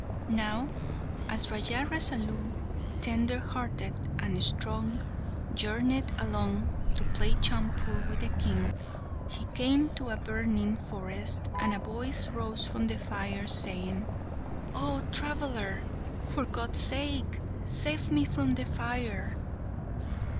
Now, as Raja Rasalu, tender hearted and strong, journeyed along to play chaupur with the King, he came to a burning forest, and a voice rose from the fire saying, "Oh, traveller! for God's sake save me from the fire!"